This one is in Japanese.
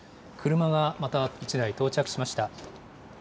車がまた１台到着しました。